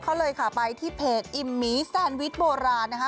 เขาเลยค่ะไปที่เพจอิมหมีแซนวิชโบราณนะคะ